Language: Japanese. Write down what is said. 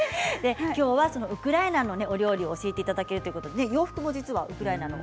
きょうはウクライナのお料理を教えていただくということでお洋服も実はウクライナの。